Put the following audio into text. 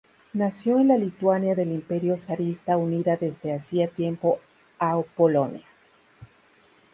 Nació en la Lituania del Imperio zarista unida desde hacía tiempo a Polonia.